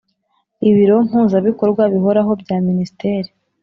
Ibiro Mpuzabikorwa Bihoraho bya Minisiteri